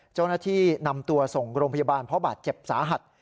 เจ้าหน้าที่นำตัวส่งโรงพยาบาลเพราะบาดเจ็บสาหัส